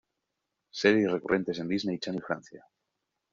Series recurrentes en Disney Channel Francia